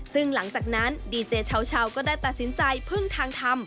ซึ่งหลังจากนั้นดีเจเช้าก็ได้ตัดสินใจพึ่งทางทำ